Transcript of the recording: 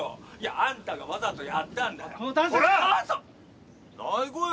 あんたがわざとやったんだよ。